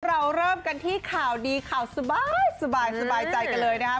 เราเริ่มกันที่ข่าวดีข่าวสบายใจกันเลยนะครับ